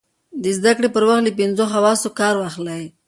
د زده کړې پر وخت له پینځو حواسو کار واخلئ.